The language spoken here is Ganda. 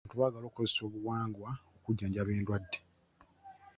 Abantu baagala okukozesa obuwangwa okujjanjaba endwadde.